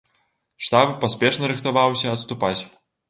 Штаб паспешна рыхтаваўся адступаць.